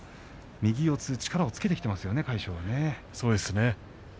右四つ、力をつけてきていますね魁勝はね。